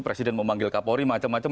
presiden memanggil kapolri macam macam